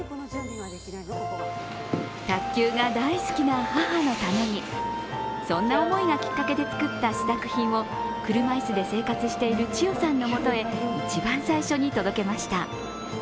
卓球が大好きな母のために、そんな思いで作った試作品を車いすで生活している千代さんのもとへ一番最初に届けました。